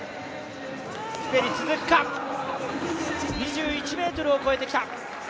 ピペリ、続くか、２１ｍを越えてきた。